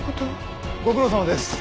ご苦労さまです。